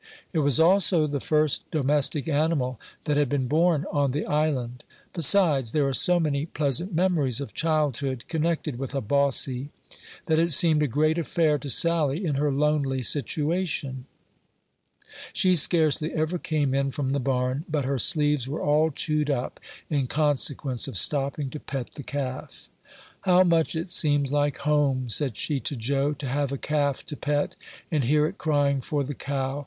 It was also the first domestic animal that had been born on the island; besides, there are so many pleasant memories of childhood connected with a "bossy," that it seemed a great affair to Sally in her lonely situation. She scarcely ever came in from the barn but her sleeves were all chewed up, in consequence of stopping to pet the calf. "How much it seems like home," said she to Joe, "to have a calf to pet, and hear it crying for the cow!